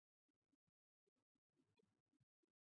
宽叶水柏枝为柽柳科水柏枝属下的一个种。